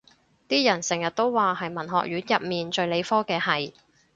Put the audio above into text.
啲人成日都話係文學院入面最理科嘅系